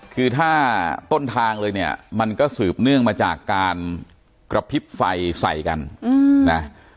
คือถ้าต้นทางเลยเนี่ยมันก็สืบเนื่องมาจากการกระพริบไฟใส่กันนะ